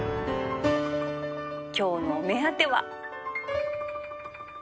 今日のお目当ては